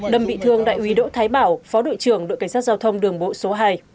đâm bị thương đại úy đỗ thái bảo phó đội trưởng đội cảnh sát giao thông đường bộ số hai